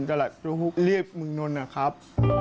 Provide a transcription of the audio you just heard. ตลาดโจฮุกเลิกมึงนลนะครับ